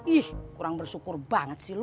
ih kurang bersyukur banget sih lu